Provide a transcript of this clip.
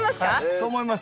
そう思います。